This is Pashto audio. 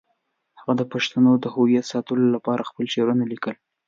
هغه د پښتنو د هویت ساتلو لپاره خپل شعرونه لیکل.